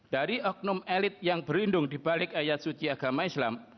dari oknum elit yang berlindung dibalik ayat suci agama islam